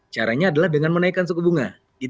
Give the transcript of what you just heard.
caranya adalah dengan menaikkan suku bunga